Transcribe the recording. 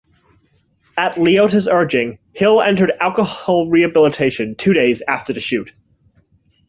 At Liotta's urging, Hill entered alcohol rehabilitation two days after the shoot.